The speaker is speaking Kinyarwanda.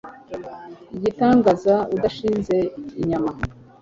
Igitangaza udashinze inyama